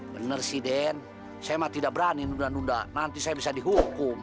bener sih den saya mah tidak berani nunda nunda nanti saya bisa dihukum